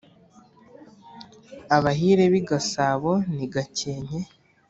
abahire b’i gasabo n’i gakenke,